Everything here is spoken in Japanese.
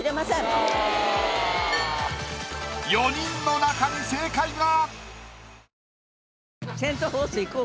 ４人の中に正解が！